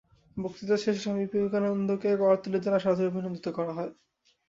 বক্তৃতার শেষে স্বামী বিবেকানন্দকে করতালি দ্বারা সাদরে অভিনন্দিত করা হয়।